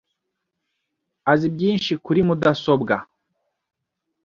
azi byinshi kuri mudasobwa.